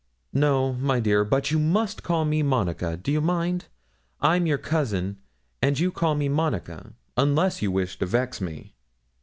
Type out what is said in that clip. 'No, my dear, but you must call me Monica do you mind I'm your cousin, and you call me Monica, unless you wish to vex me.